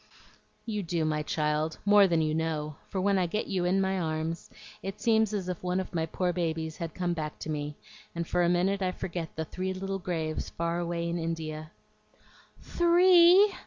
"You do, my child, more than you know; for when I get you in my arms it seems as if one of my poor babies had come back to me, and for a minute I forget the three little graves far away in India." "Three!"